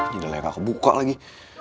gini udah gak kebuka lagi